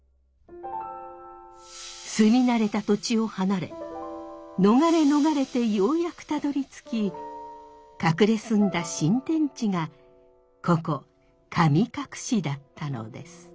住み慣れた土地を離れ逃れ逃れてようやくたどりつき隠れ住んだ新天地がここ神隠だったのです。